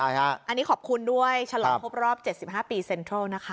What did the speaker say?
อันนี้ขอบคุณด้วยฉลองครบรอบ๗๕ปีเซ็นทรัลนะคะ